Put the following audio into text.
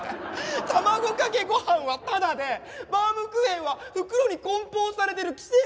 卵かけご飯はタダでバウムクーヘンは袋に梱包されてる既製品なんだよ。